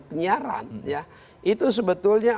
penyiaran ya itu sebetulnya